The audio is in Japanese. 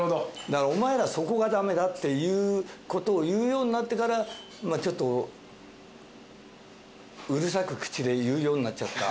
だからそこが駄目っていうことを言うようになってからちょっとうるさく口で言うようになっちゃった。